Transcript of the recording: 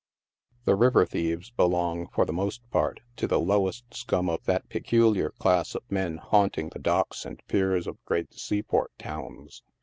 The river thieves belong, for the most part, to the lowest scum of that peculiar class of men haunting the docks and piers of great seaport towns.